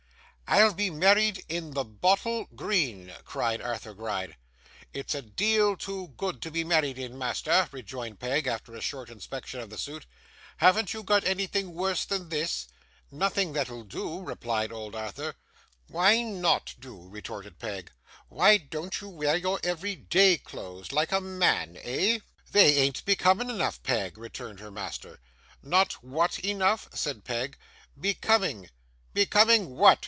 'I'll be married in the bottle green,' cried Arthur Gride. 'It's a deal too good to be married in, master,' rejoined Peg, after a short inspection of the suit. 'Haven't you got anything worse than this?' 'Nothing that'll do,' replied old Arthur. 'Why not do?' retorted Peg. 'Why don't you wear your every day clothes, like a man eh?' 'They an't becoming enough, Peg,' returned her master. 'Not what enough?' said Peg. 'Becoming.' 'Becoming what?